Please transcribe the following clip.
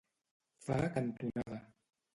Fa cantonada.